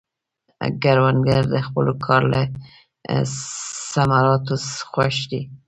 کروندګر د خپل کار له ثمراتو خوښ دی